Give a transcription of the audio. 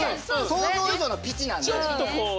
想像以上のピチなんで。